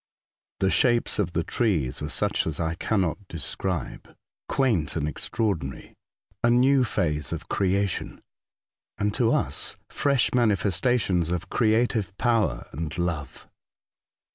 The shapes of the trees were such as I cannot describe — quaint and extra ordinary — a new phase of creation, and, to Tycho Island, 107 us, fresh manifestations of creative power and love.